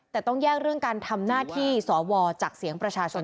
แต่ต้องแยกเรื่องการทำหน้าที่สวจากเสียงประชาชน